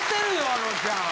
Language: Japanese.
あのちゃん。